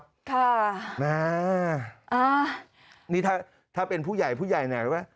ค่ะอ่านี่ถ้าเป็นผู้ใหญ่ผู้ใหญ่ไหนว่า